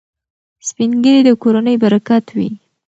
سپین ږیري د کورنۍ برکت وي.